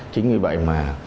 chính vì vậy mà